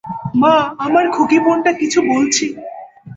মা, আমার খুকি বোনটা কিছু বলছে।